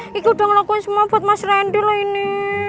gigi udah ngelakuin semua buat mas rendy lah ini